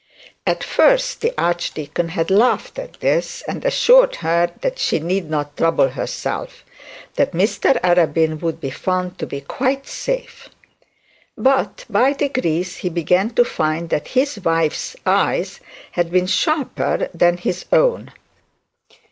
At first the archdeacon had laughed at this, and assured her that she need not trouble herself; that Mr Arabin would be found to be quite safe. But by degrees he began to find out that his wife's eyes had been sharper than his own.